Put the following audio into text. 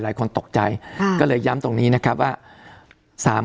หลายคนตกใจก็เลยย้ำตรงนี้นะครับว่า